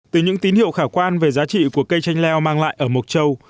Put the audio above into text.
từ những tín hiệu khả quan về giá trị của cây chanh leo mang lại ở mộc châu